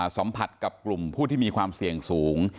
สัมผัสกับกลุ่มผู้ที่มีความเสี่ยงสูง